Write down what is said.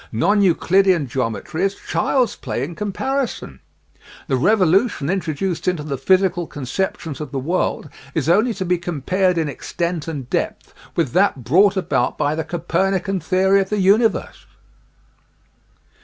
Non Euclidean geometry is child's play in comparison. ... The revo lution introduced into the physical conceptions of the world is only to be compared in extent and depth with that brought about by the Copernican system of the universe.